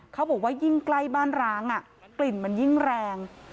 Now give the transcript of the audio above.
เขาบอกว่ายิ่งใกล้บ้านร้างกลิ่นมันยิ่งแรง